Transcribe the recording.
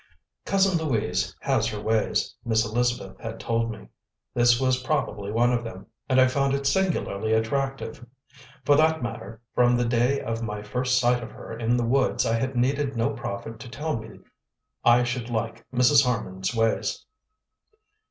"Cousin Louise has her ways," Miss Elizabeth had told me; this was probably one of them, and I found it singularly attractive. For that matter, from the day of my first sight of her in the woods I had needed no prophet to tell me I should like Mrs. Harman's ways.